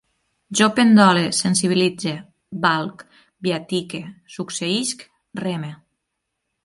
Jo pendole, sensibilitze, valc, viatique, succeïsc, reme